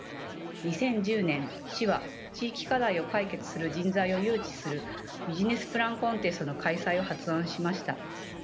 ２０１０年市は地域課題を解決する人材を誘致するビジネスプランコンテストの開催を発案しました。